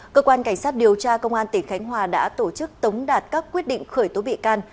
cơ quan cảnh sát điều tra công an tỉnh khánh hòa đã tổ chức tống đạt các quyết định khởi tố bị can